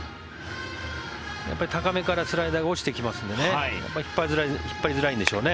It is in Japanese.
高めからスライダーが落ちてきますのでね引っ張りづらいんでしょうね。